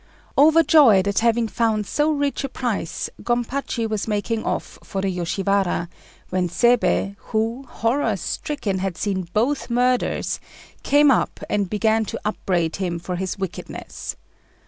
Overjoyed at having found so rich a prize, Gompachi was making off for the Yoshiwara, when Seibei, who, horror stricken, had seen both murders, came up and began to upbraid him for his wickedness.